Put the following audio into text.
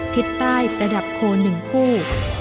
ทิศใต้ประดับโคน๑คู่